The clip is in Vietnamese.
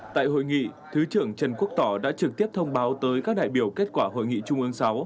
tại hội nghị thứ trưởng trần quốc tỏ đã trực tiếp thông báo tới các đại biểu kết quả hội nghị trung ương sáu